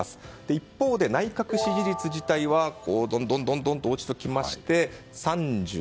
一方で内閣支持率自体はどんどんと落ちてきまして３８．６％。